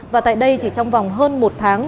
và tại đây chỉ trong vòng hơn một tháng